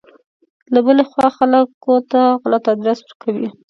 له بلې خوا خلکو ته غلط ادرس ورکوي.